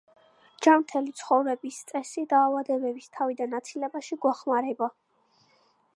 ჯანმრთელი ცხოვრების წესი დაავადებების თავიდან აცილებაში გვეხმარება.